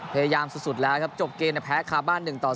พยายามสุดแล้วครับจบเกมแต่แพ้คาร์บาน๑๒